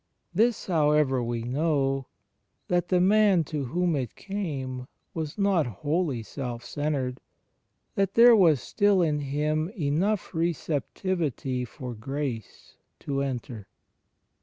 This, however, we know — that the man to whom it came was not wholly self centred; that there was still in him enough receptivity for Grace to enter.